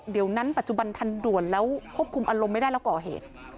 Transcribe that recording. เดี๋ยวนั้นปัจจุบันทันด่วนแล้วควบคุมอารมณ์ไม่ได้แล้วก่อเหตุ